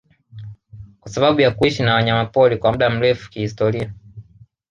kwa sababu ya kuishi na wanyamapori kwa muda mrefu kihistoria